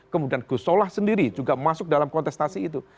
kemudian gus solah sendiri juga masuk dalam kontestasi itu